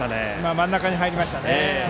真ん中に入りました。